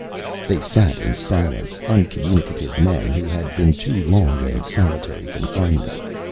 They sat in silence, uncommunicative men who had been too long in solitary confinement.